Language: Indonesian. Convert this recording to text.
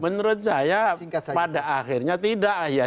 menurut saya pada akhirnya tidak ya